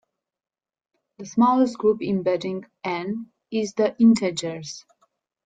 The smallest group embedding N is the integers.